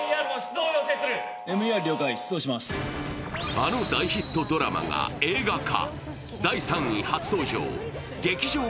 あの大ヒットドラマが映画化。